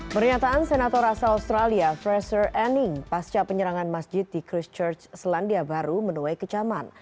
pernyataan senator asal australia fresher anning pasca penyerangan masjid di christchurch selandia baru menuai kecaman